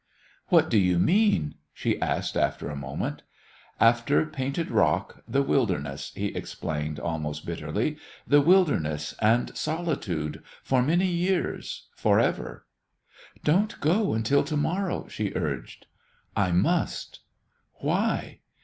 "What do you mean?" she asked after a moment. "After Painted Rock, the wilderness," he explained, almost bitterly, "the wilderness and solitude for many years forever!" "Don't go until to morrow," she urged. "I must." "Why?"